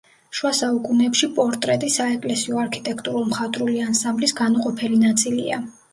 შუა საუკუნეებში პორტრეტი საეკლესიო არქიტექტურულ-მხატვრული ანსამბლის განუყოფელი ნაწილია.